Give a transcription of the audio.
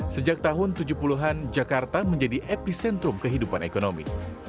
sejak tahun tujuh puluh an jakarta menjadi epicentrum kehidupan ekonomi